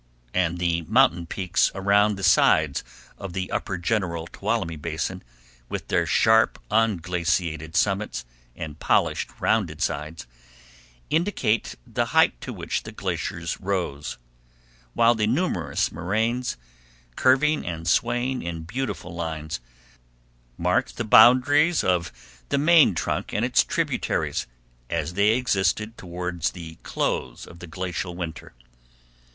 And the mountain peaks around the sides of the upper general Tuolumne Basin, with their sharp unglaciated summits and polished rounded sides, indicate the height to which the glaciers rose; while the numerous moraines, curving and swaying in beautiful lines, mark the boundaries of the main trunk and its tributaries as they existed toward the close of the glacial winter.